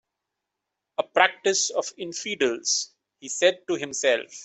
"A practice of infidels," he said to himself.